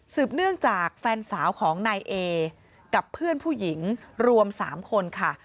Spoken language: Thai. เนื่องจากแฟนสาวของนายเอกับเพื่อนผู้หญิงรวม๓คนค่ะ